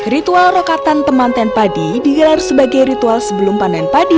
ritual rokatan temanten padi digelar sebagai ritual sebelum panen padi